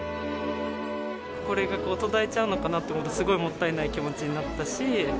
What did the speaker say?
これが途絶えちゃうのかなと思うと、すごいもったいない気持ちになったし。